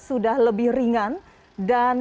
sudah lebih ringan dan